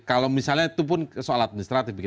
kalau misalnya itu pun soal administratif